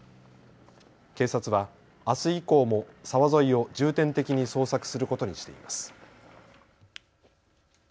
警察はあす以降も沢沿いを重点的に捜索することにしています。